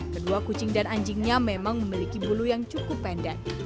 kedua kucing dan anjingnya memang memiliki bulu yang cukup pendek